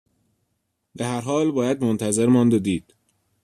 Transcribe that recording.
به هر حال باید منتظر ماند و دید